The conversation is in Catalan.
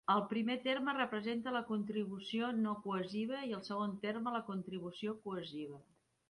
El primer terme representa la contribució no cohesiva i el segon terme la contribució cohesiva.